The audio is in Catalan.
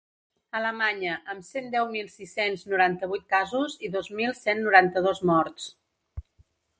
Alemanya, amb cent deu mil sis-cents noranta-vuit casos i dos mil cent noranta-dos morts.